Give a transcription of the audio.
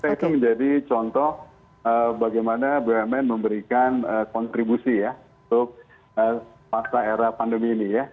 itu menjadi contoh bagaimana bumn memberikan kontribusi ya untuk masa era pandemi ini ya